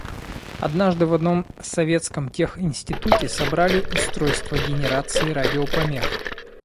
Однажды в одном советском тех. институте собрали устройство генерации радиопомех.